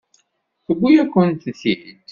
Tewwi-yakent-t-id.